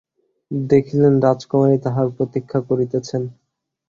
দেখিলেন রাজকুমারী তাঁহার প্রতীক্ষা করিতেছেন।